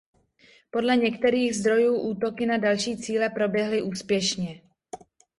Podle některých zdrojů útoky na další cíle proběhly úspěšně.